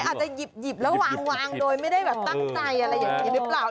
อาจจะหยิบแล้ววางโดยไม่ได้แบบตั้งใจอะไรอย่างนี้หรือเปล่า